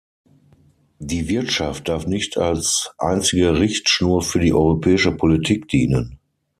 Die Wirtschaft darf nicht als einzige Richtschnur für die europäische Politik dienen.